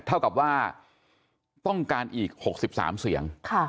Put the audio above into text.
เท่ากับว่าต้องการอีก๖๓เสียง